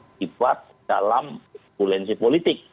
jadi itu adalah hal yang terjadi dalam turbulensi politik